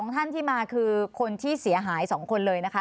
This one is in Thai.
๒ท่านที่มาคือคนที่เสียหาย๒คนเลยนะคะ